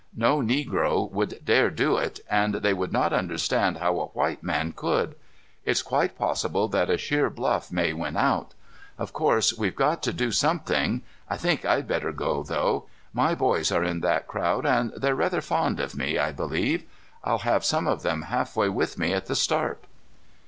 No negro would dare do it, and they would not understand how a white man could. It's quite possible that a sheer bluff may win out. Of course we've got to do something. I think I'd better go, though. My boys are in that crowd and they're rather fond of me, I believe. I'll have some of them halfway with me at the start."